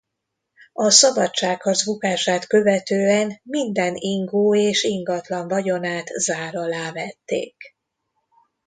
A szabadságharc bukását követően minden ingó és ingatlan vagyonát zár alá vették.